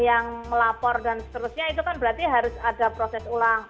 yang melapor dan seterusnya itu kan berarti harus ada proses ulang